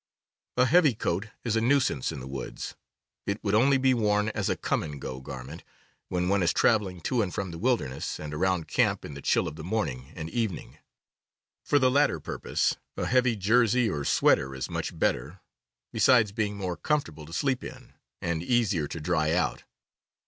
A heavy coat is a nuisance in the woods. It would only be worn as a "come and go" garment when one Coats and ^^ traveling to and from the wilderness, T and around camp in the chill of the morning and evening. For the latter purpose a heavy jersey or sweater is much better, besides being more comfortable to sleep in, and easier to dry out.